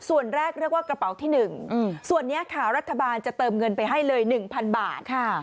ส่วนแรกเรียกว่ากระเป๋าที่๑ส่วนนี้ค่ะรัฐบาลจะเติมเงินไปให้เลย๑๐๐บาท